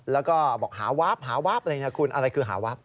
แล้วก็บอกหาวาร์ฟหาวาร์ฟอะไรนะคุณอะไรคือหาวาร์ฟ